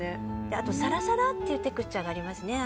あと、さらさらっていうテクスチャーがありますね。